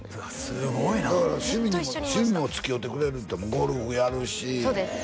すごいな趣味にもつきおうてくれるってゴルフやるしそうです